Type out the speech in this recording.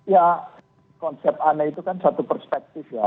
ya konsep aneh itu kan satu perspektif ya